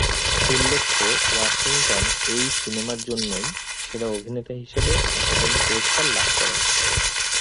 উল্লেখ্য ওয়াশিংটন এই সিনেমার জন্যই সেরা অভিনেতা হিসেবে একাডেমি পুরস্কার লাভ করেন।